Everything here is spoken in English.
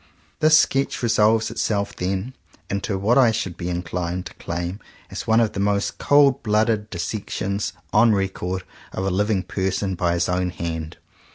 This sketch resolves itself, then, into what I should be inclined to claim as one of the most cold blooded dissections on 38 JOHN COWPER POWYS record, of a living person by his own hand.